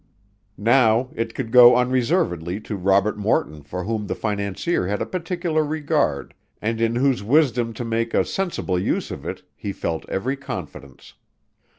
Now it could go unreservedly to Robert Morton for whom the financier had a particular regard and in whose wisdom to make a sensible use of it he felt every confidence.